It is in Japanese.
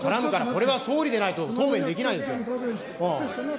これは総理でないと答弁できない。